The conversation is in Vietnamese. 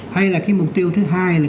hay là cái mục tiêu thứ hai là